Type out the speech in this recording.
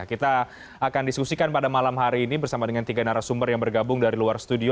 kita akan diskusikan pada malam hari ini bersama dengan tiga narasumber yang bergabung dari luar studio